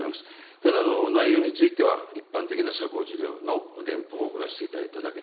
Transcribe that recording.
ただ、内容については一般的な社交辞令の電報を送らせていただいたわけ